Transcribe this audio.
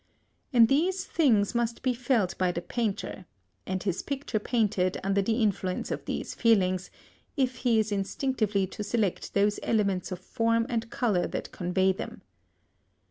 And these things must be felt by the painter, and his picture painted under the influence of these feelings, if he is instinctively to select those elements of form and colour that convey them.